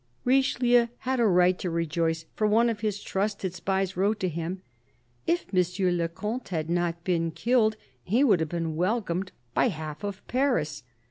Richelieu had a right to rejoice, for one of his trusted spies wrote to him :" If M. le Comte had not been killed, he would have been welcomed by the half of Paris